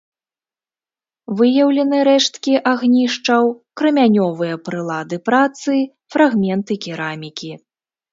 Выяўлены рэшткі агнішчаў, крамянёвыя прылады працы, фрагменты керамікі.